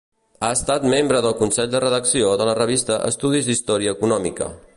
Ha estat membre del Consell de Redacció de la revista Estudis d'Història Econòmica.